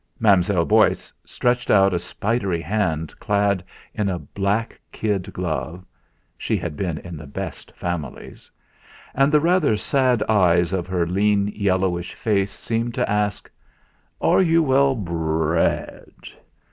Mam'zelle Beauce stretched out a spidery hand clad in a black kid glove she had been in the best families and the rather sad eyes of her lean yellowish face seemed to ask: "Are you well brrred?"